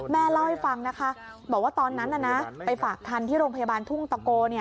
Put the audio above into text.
เล่าให้ฟังนะคะบอกว่าตอนนั้นไปฝากคันที่โรงพยาบาลทุ่งตะโก